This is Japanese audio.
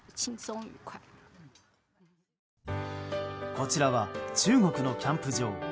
こちらは中国のキャンプ場。